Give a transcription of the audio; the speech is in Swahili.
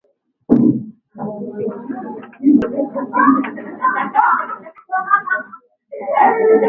Siku ya ijumaa anapokuwa Dar huwa anakunywa dawa anapokaribia kufika nyumbani awe tayari